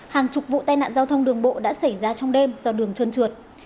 hàng chục vụ tai nạn giao thông đường bộ đã xảy ra trong đêm do đường trơn trượt